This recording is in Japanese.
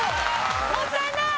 もったいない。